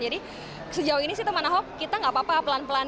jadi sejauh ini sih teman ahok kita nggak apa apa pelan pelan